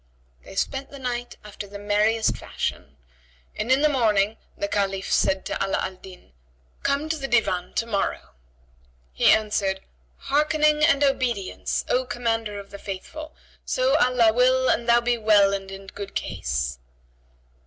They spent the night after the merriest fashion, and in the morning the Caliph said to Ala al Din, "Come to the Divan to morrow." He answered, "Hearkening and obedience, O Commander of the Faithful; so Allah will and thou be well and in good case!"